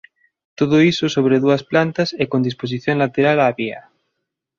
Todo iso sobre dúas plantas e con disposición lateral á vía.